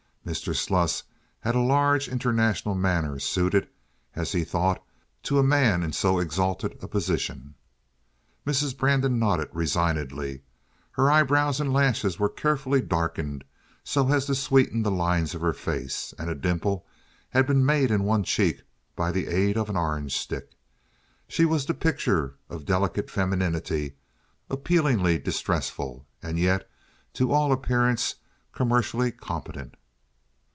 Mr. Sluss had a large international manner suited, as he thought, to a man in so exalted a position. Mrs. Brandon nodded resignedly. Her eyebrows and lashes were carefully darkened so as to sweeten the lines of her face, and a dimple had been made in one cheek by the aid of an orange stick. She was the picture of delicate femininity appealingly distressful, and yet to all appearance commercially competent.